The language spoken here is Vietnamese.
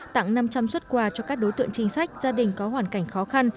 tặng năm trăm linh xuất quà cho các đối tượng chính sách gia đình có hoàn cảnh khó khăn